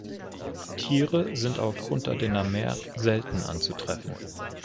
Tiere sind auf "Punta de n’Amer" selten anzutreffen.